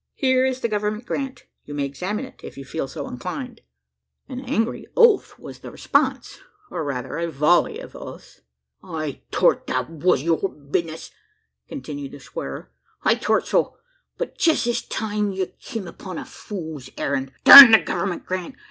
Here is the government grant you may examine it, if you feel so inclined." An angry oath was the response, or rather a volley of oaths. "I thort that wur yur bisness," continued the swearer. "I thort so; but jest this time you've kim upon a fool's errand. Durn the government grant!